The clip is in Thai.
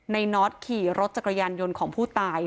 น็อตขี่รถจักรยานยนต์ของผู้ตาย